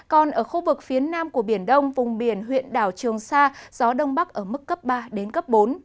còn ở khu vực phía nam của biển đông vùng biển huyện đảo trường sa gió đông bắc ở mức cấp ba đến cấp bốn